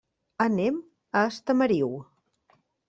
Anem a Estamariu.